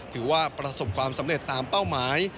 ถือว่าประสบความสำเร็จตามเป้าหมาย